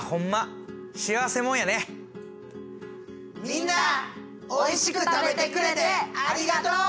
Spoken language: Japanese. みんなおいしく食べてくれてありがとう！